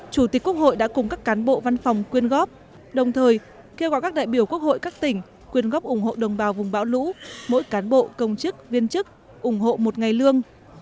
chủ tịch quốc hội đã cùng các cán bộ văn phòng quyên góp đồng thời kêu gọi các đại biểu quốc hội các tỉnh quyên góp ủng hộ đồng bào vùng bão lũ mỗi cán bộ công chức viên chức ủng hộ một ngày lương